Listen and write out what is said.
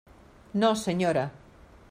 No, senyora.